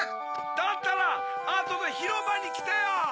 だったらあとでひろばにきてよ。